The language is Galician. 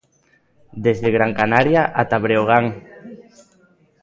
Desde Gran Canaria ata Breogán.